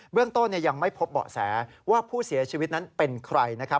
เรื่องต้นยังไม่พบเบาะแสว่าผู้เสียชีวิตนั้นเป็นใครนะครับ